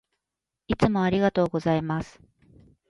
いつもありがとうございます。